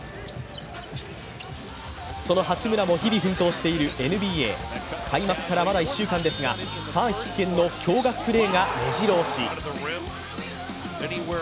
その八村も日々奮闘しているＮＢＡ、開幕からまだ１週間ですがファン必見の驚がくプレーがめじろ押し。